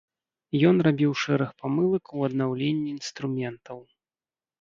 Ён рабіў шэраг памылак у аднаўленні інструментаў.